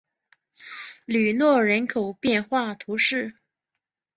吕诺人口变化图示